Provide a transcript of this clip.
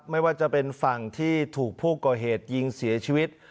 ไม่ว่าจะเป็นฝั่งที่ถูกผู้ก่อเหตุยิงเสียชีวิต